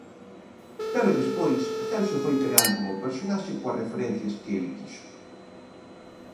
Pero despois Celso foi creando o personaxe coas referencias que el quixo.